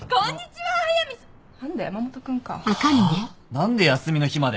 何で休みの日まで。